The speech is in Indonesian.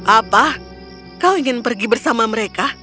apa kau ingin pergi bersama mereka